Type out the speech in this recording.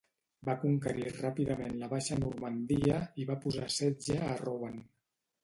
Va conquerir ràpidament la Baixa Normandia, i va posar setge a Rouen.